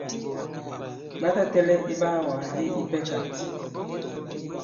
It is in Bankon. Ɓa ta tɛ̄lɛ̄ iɓaawàgà je ipɛ kāt.